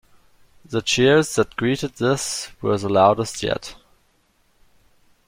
The cheers that greeted this were the loudest yet.